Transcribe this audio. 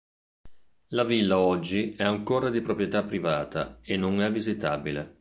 La villa oggi è ancora di proprietà privata e non è visitabile.